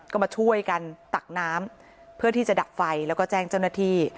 ก็มาช่วยกันตักน้ำเพื่อที่จะดับไฟแล้วก็แจ้งเจ้าหน้าที่